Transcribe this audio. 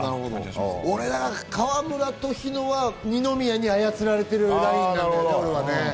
俺、河村と日野は二宮に操られてるって思うんだけどね。